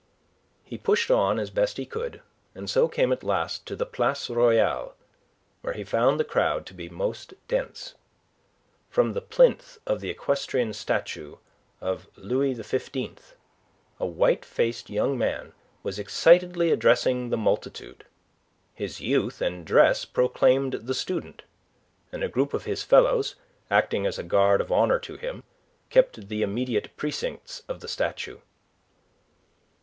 He pushed on as best he could, and so came at last to the Place Royale, where he found the crowd to be most dense. From the plinth of the equestrian statue of Louis XV, a white faced young man was excitedly addressing the multitude. His youth and dress proclaimed the student, and a group of his fellows, acting as a guard of honour to him, kept the immediate precincts of the statue.